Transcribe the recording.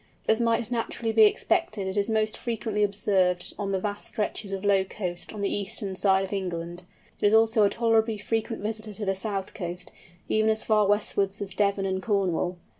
As might naturally be expected it is most frequently observed on the vast stretches of low coast on the eastern side of England; it is also a tolerably frequent visitor to the south coast, even as far westwards as Devon and Cornwall.